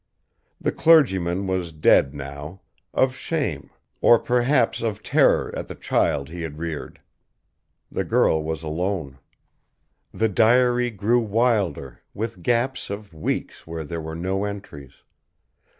The clergyman was dead, now; of shame, or perhaps of terror at the child he had reared. The girl was alone. The diary grew wilder, with gaps of weeks where there were no entries.